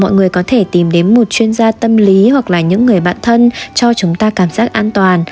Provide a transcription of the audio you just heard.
mọi người có thể tìm đến một chuyên gia tâm lý hoặc là những người bạn thân cho chúng ta cảm giác an toàn